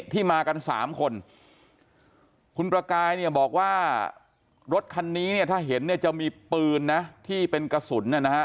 ที่มากันสามคนคุณประกายเนี่ยบอกว่ารถคันนี้เนี่ยถ้าเห็นเนี่ยจะมีปืนนะที่เป็นกระสุนนะฮะ